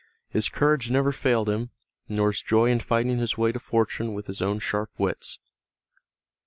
His courage never failed him, nor his joy in fighting his way to fortune with his own sharp wits.